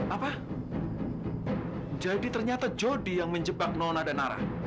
apa jadi ternyata jodi yang menjebak nona dan nara